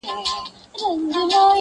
رسنۍ د خلکو اواز رسوي